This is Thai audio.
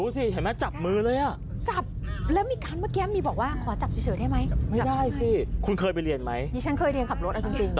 แต่ไม่เคยเจอประสบการณ์อย่างนี้ใช่ไหม